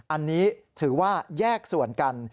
อันนี้ถือว่าแยกส่วนกัน